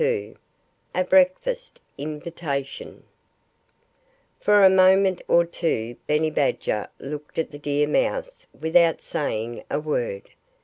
XXII A BREAKFAST INVITATION For a moment or two Benny Badger looked at the deer mouse without saying a word.